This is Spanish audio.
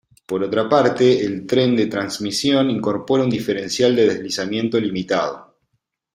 Por otra parte, el tren de transmisión incorpora un diferencial de deslizamiento limitado.